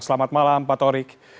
selamat malam pak torik